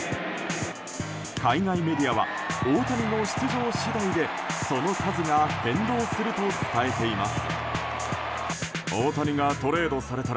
海外メディアは大谷の出場次第でその数が変動すると伝えています。